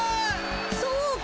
そうか！